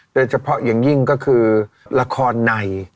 โดยเฉพาะอย่างยิ่งก็คือละครใน